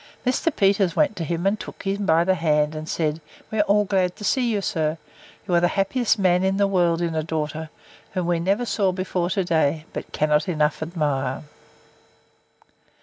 Mr. Peters went to him, and took him by the hand, and said, We are all glad to see you, sir; you are the happiest man in the world in a daughter; whom we never saw before to day, but cannot enough admire.